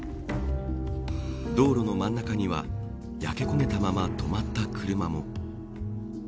道路の真ん中には焼け焦げたまま止まった車も。